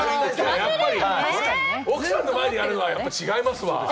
奥さんの前でやるのはやっぱ違いますわ。